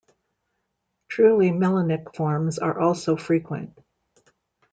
Truly melanic forms are also frequent.